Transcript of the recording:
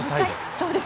そうです。